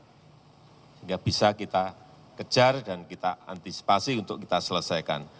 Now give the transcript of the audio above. sehingga bisa kita kejar dan kita antisipasi untuk kita selesaikan